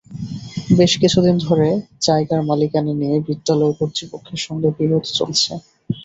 বেশ কিছুদিন ধরে জায়গার মালিকানা নিয়ে বিদ্যালয় কর্তৃপক্ষের সঙ্গে বিরোধ চলছে।